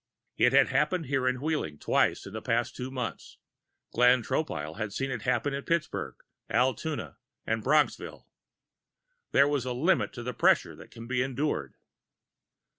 It had happened here in Wheeling twice within the past two months. Glenn Tropile had seen it happen in Pittsburgh, Altoona and Bronxville. There is a limit to the pressure that can be endured.